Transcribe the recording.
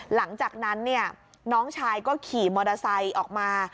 หลังจากนั้นน้องชายก็ขี่มอเตอร์ไซค์ออกมา